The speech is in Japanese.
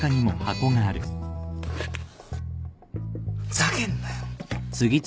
ざけんなよ。